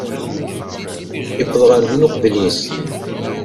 Yuwweḍ ɣer din uqbel-is.